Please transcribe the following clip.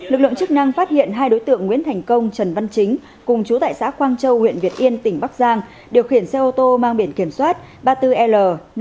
lực lượng chức năng phát hiện hai đối tượng nguyễn thành công trần văn chính cùng chú tại xã quang châu huyện việt yên tỉnh bắc giang điều khiển xe ô tô mang biển kiểm soát ba mươi bốn l năm nghìn ba trăm tám mươi năm